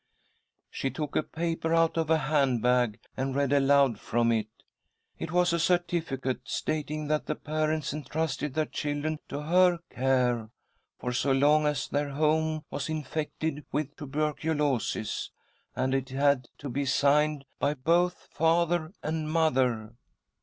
She took a paper out of a handbag and read aloud from it. It was a certificate stating that the parents entrusted their children to her care, for so long as their home was infected with tuberculosis, and it had to be signed by both father and mother.